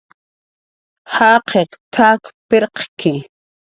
"Jaqiq t""ak pirqki"